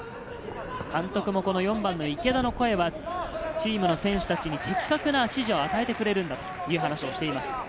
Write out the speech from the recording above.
監督も４番の池田の声は、チームの選手たちに的確な指示を与えてくれるんだという話をしています。